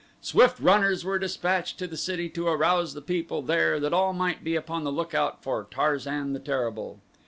Swift runners were dispatched to the city to arouse the people there that all might be upon the lookout for Tarzan the Terrible.